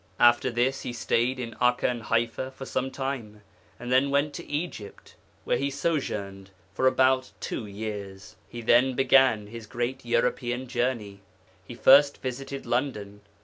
After this He stayed in Akka and Haifa for some time, and then went to Egypt, where He sojourned for about two years. He then began His great European journey. He first visited London.